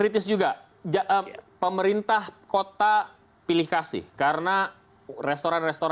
taruh disitu ada rendang